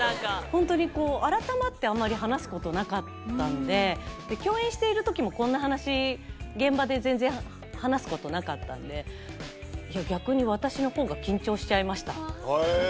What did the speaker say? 本当にこう、改まってあまり話すことなかったので、共演しているときも、こんな話、現場で全然話すことなかったんで、逆に私のほうが緊張しちゃいました。